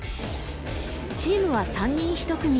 チームは３人１組。